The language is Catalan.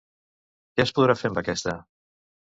Què es podrà fer amb aquesta?